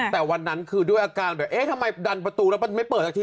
แต่วันนั้นคือด้วยอาการแบบเอ๊ะทำไมดันประตูแล้วมันไม่เปิดสักที